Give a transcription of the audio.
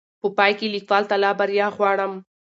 په پاى کې ليکوال ته لا بريا غواړم